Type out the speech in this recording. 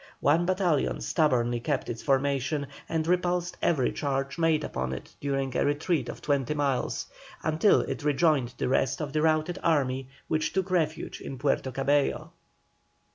One battalion stubbornly kept its formation, and repulsed every charge made upon it during a retreat of twenty miles until it rejoined the rest of the routed army, which took refuge in Puerto Cabello.